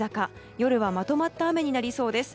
夜はまとまった雨になりそうです。